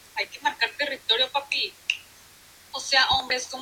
A su alrededor está rodeado de una variedad de flores.